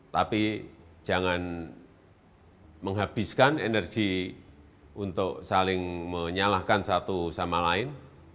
tapi jangan menghabiskan energi untuk saling menyalahkan satu sama lain